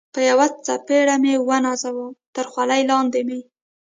په یوه څپېړه مې و نازاوه، تر خولۍ لاندې مې.